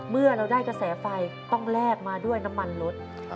เมื่อเราได้กระแสไฟต้องแลกมาด้วยน้ำมันลด